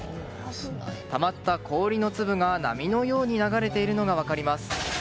たまった氷の粒が波のように流れているのが分かります。